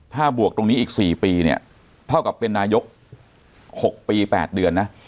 ถ้าบวกตรงนี้อีก๔ปีเนี่ยเท่ากับเป็นนายก๖ปี๘เดือนนะ